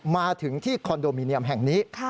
มาถึงที่คอนโดมิเนียมแห่งนี้